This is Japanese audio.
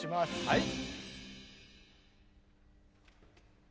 はい。